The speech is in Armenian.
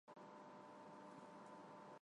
Հիմնականում զբաղվում էին անասնաբուծությամբ։